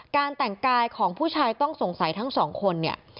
การแต่งกายของผู้ชายต้องสงสัยทั้งสองคนเนี่ย